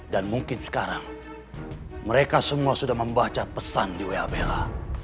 dan mungkin sekarang mereka semua sudah membaca pesan di wa bella